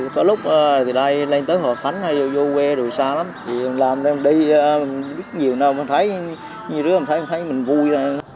có lúc từ đây lên tới hòa khánh hay vô quê rồi xa lắm làm đây biết nhiều nào nhiều đứa thấy mình vui